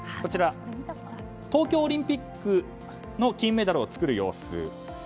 東京オリンピックの金メダルを作る様子。